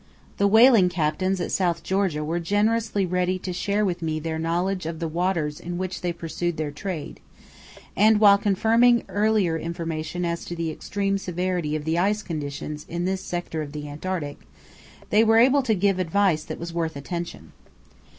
The whaling captains at South Georgia were generously ready to share with me their knowledge of the waters in which they pursued their trade, and, while confirming earlier information as to the extreme severity of the ice conditions in this sector of the Antarctic, they were able to give advice that was worth attention.